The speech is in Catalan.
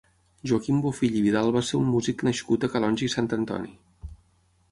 Joaquim Bofill i Vidal va ser un músic nascut a Calonge i Sant Antoni.